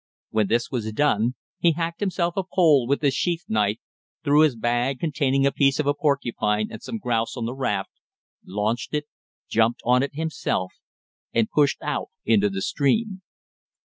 When this was done, he hacked himself a pole with his sheath knife, threw his bag containing a piece of a porcupine and some grouse on the raft, launched it, jumped on it himself and pushed out into the stream.